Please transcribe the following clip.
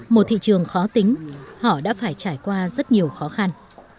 một thị trường khó tính họ đã phải trải qua rất nhiều khó khăn